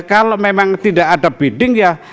kalau memang tidak ada bidding ya